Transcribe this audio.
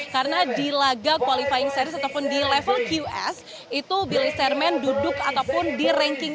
karena di laga qualifying series ataupun di level qs itu billie eilish duduk ataupun di ranking satu